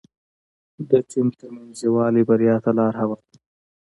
د ټيم ترمنځ یووالی بریا ته لاره هواروي.